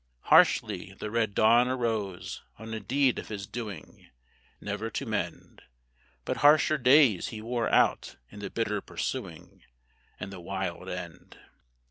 Harshly the red dawn arose on a deed of his doing, Never to mend; But harsher days he wore out in the bitter pursuing And the wild end.